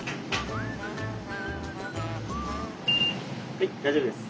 はい大丈夫です。